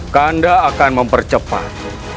kanda akan mempercepat